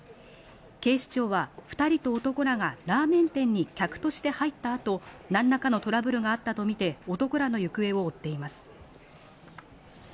警視庁は２人と男らがラーメン店に客として入った後、何らかのトラブルがあったとみて男らの行方を追っています。